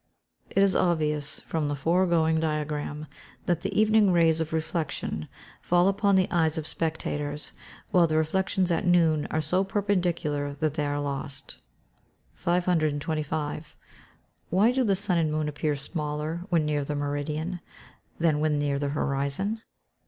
] It is obvious from the foregoing diagram that the evening rays of reflection fall upon the eyes of spectators, while the reflections at noon are so perpendicular that they are lost. 525. _Why do the sun and moon appear smaller when near the meridian, than when near the horizon?